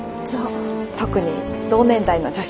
特に同年代の女子に。